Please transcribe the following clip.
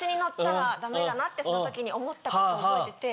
だなってその時に思ったことを覚えてて。